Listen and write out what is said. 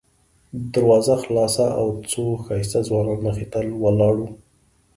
دروازه خلاصه او څو ښایسته ځوانان مخې ته ولاړ وو.